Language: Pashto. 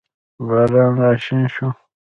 باران راشین شو